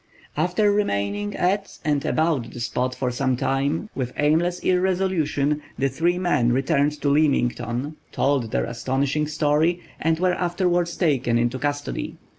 After remaining at and about the spot for some time, with aimless irresolution, the three men returned to Leamington, told their astonishing story and were afterward taken into custody.